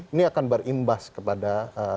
ini akan berimbas kepada